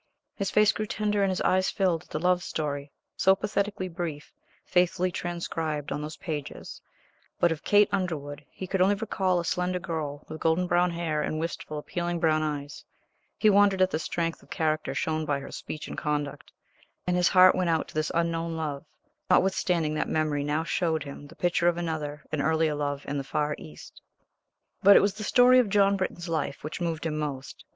His face grew tender and his eyes filled at the love story, so pathetically brief, faithfully transcribed on those pages, but of Kate Underwood he could only recall a slender girl with golden brown hair and wistful, appealing brown eyes; he wondered at the strength of character shown by her speech and conduct, and his heart went out to this unknown love, notwithstanding that memory now showed him the picture of another and earlier love in the far East. But it was the story of John Britton's life which moved him most.